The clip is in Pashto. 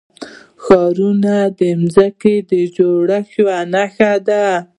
ښارونه د ځمکې د جوړښت یوه نښه ده.